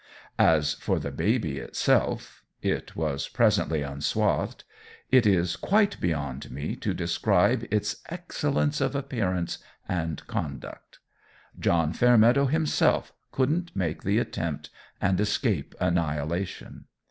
As for the baby itself it was presently unswathed it is quite beyond me to describe its excellencies of appearance and conduct. John Fairmeadow himself couldn't make the attempt and escape annihilation.